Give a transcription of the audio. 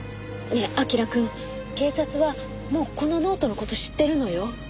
ねえ彬くん警察はもうこのノートの事知ってるのよ。